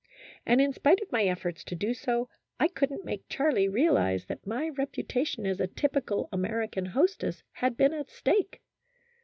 And in spite of all my efforts to do so, I couldn't make Charlie realize that my reputation as a typical American hostess had been at stake*.